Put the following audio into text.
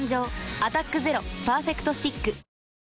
「アタックＺＥＲＯパーフェクトスティック」